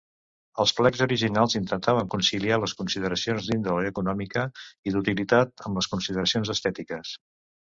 Els plecs originals intentaven conciliar les consideracions d'índole econòmica i d'utilitat, amb les consideracions estètiques.